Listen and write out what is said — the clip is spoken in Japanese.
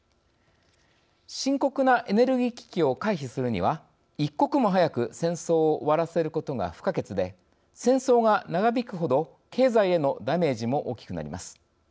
深刻なエネルギー危機を回避するには一刻も早く戦争を終わらせることが不可欠で戦争が長引くほど経済へのダメージも大きくなります。